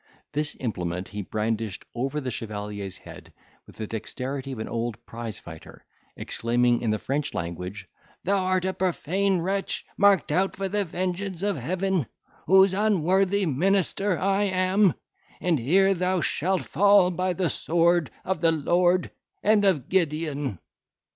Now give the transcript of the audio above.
This implement he brandished over the chevalier's head with the dexterity of an old prize fighter, exclaiming, in the French language, "Thou art a profane wretch marked out for the vengeance of Heaven, whose unworthy minister I am, and here thou shalt fall by the sword of the Lord and of Gideon."